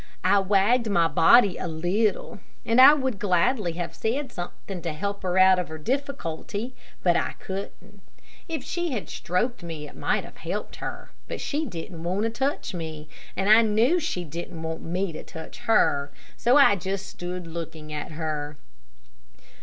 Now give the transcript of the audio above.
I wagged my body a little, and I would gladly have said something to help her out of her difficulty, but I couldn't. If she had stroked me it might have helped her; but she didn't want to touch me, and I knew she didn't want me to touch her, so I just stood looking at her.